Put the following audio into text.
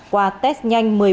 qua test nhanh